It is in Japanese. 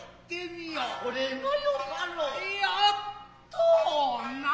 やっとな。